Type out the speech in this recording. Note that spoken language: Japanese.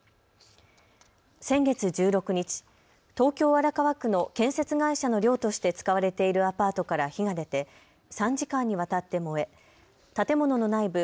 先月１６日、東京荒川区の建設会社の寮として使われているアパートから火が出て３時間にわたって燃え建物の内部